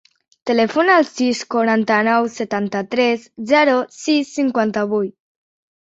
Telefona al sis, quaranta-nou, setanta-tres, zero, sis, cinquanta-vuit.